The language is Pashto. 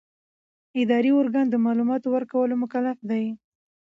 اداري ارګان د معلوماتو ورکولو مکلف دی.